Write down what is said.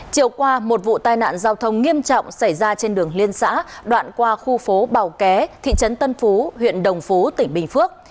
chiều qua một vụ tai nạn giao thông nghiêm trọng xảy ra trên đường liên xã đoạn qua khu phố bào ké thị trấn tân phú huyện đồng phú tỉnh bình phước